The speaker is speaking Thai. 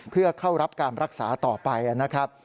เพื่อเข้ารับการรักษาต่อไปนะครับ